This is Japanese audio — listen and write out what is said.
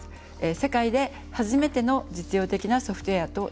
世界で初めての実用的なソフトウェアとなりました。